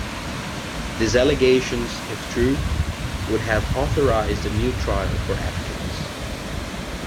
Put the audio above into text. These allegations, if true, would have authorized a new trial for Atkins.